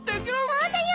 そうだよ。